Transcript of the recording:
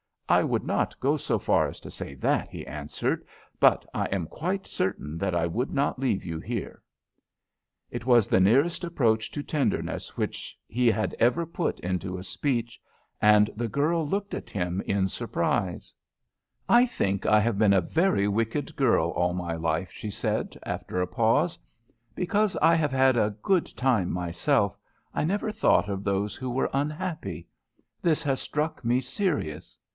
"I would not go so far as to say that," he answered. "But I am quite certain that I would not leave you here." [Illustration: Certain that I would not leave you here p152] It was the nearest approach to tenderness which he had ever put into a speech, and the girl looked at him in surprise. "I think I've been a very wicked girl all my life," she said, after a pause. "Because I have had a good time myself, I never thought of those who were unhappy. This has struck me serious.